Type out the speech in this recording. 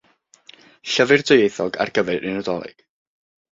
Llyfr dwyieithog ar gyfer y Nadolig.